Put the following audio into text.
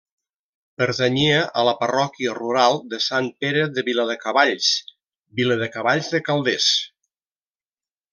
Pertanyia a la parròquia rural de Sant Pere de Viladecavalls, Viladecavalls de Calders.